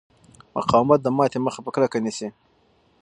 مقاومت د ماتې مخه په کلکه نیسي.